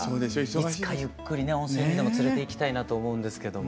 いつかゆっくりね温泉にでも連れていきたいなと思うんですけども。